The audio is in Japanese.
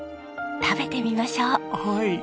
食べてみましょう。